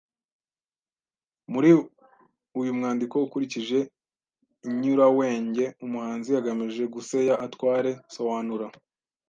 Muri uyu mwandiko ukurikije inyurawenge umuhanzi agamije guseya atware Soanura